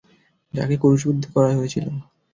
যাকে ক্রুশবিদ্ধ করা হয়েছিল!